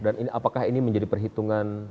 dan apakah ini menjadi perhitungan